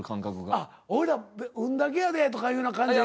あっ俺ら運だけやでとかいうような感じ。